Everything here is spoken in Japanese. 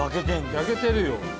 焼けてるよ。